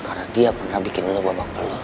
karena dia pernah bikin lo babak belut